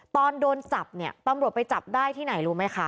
ตอนโดนจับเนี่ยตำรวจไปจับได้ที่ไหนรู้ไหมคะ